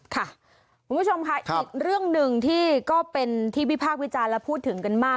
คุณผู้ชมค่ะอีกเรื่องหนึ่งที่ก็เป็นที่วิพากษ์วิจารณ์และพูดถึงกันมาก